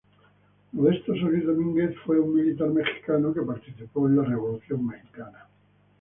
Modesto Solís Domínguez fue un militar mexicano que participó en la Revolución mexicana.